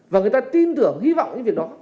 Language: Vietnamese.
và người ta tin tưởng hy vọng những việc đó